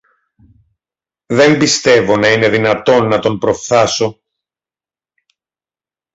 Δεν πιστεύω να είναι δυνατόν να τον προφθάσω.